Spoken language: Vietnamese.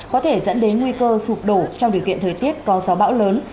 có thể dẫn đến nguy cơ sụp đổ trong điều kiện thời tiết có gió bão lớn